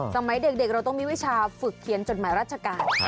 สมัยเด็กเราต้องมีวิชาฝึกเขียนจดหมายราชการ